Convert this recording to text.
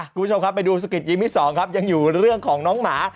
คุณผู้ชมครับไปดูสกิดยิ้มที่สองครับยังอยู่เรื่องของน้องหมา